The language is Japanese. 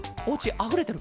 あふれてる。